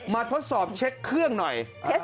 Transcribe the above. ทดสอบเช็คเครื่องหน่อย